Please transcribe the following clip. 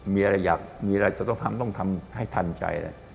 มีอะไรอยากมีอะไรจะต้องทำต้องทำให้ทันใจ